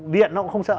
điện nó cũng không sợ